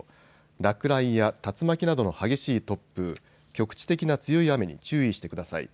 落雷や竜巻などの激しい突風、局地的な強い雨に注意してください。